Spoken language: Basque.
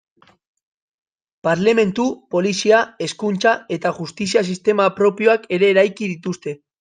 Parlementu, polizia, hezkuntza eta justizia sistema propioak ere eraiki dituzte.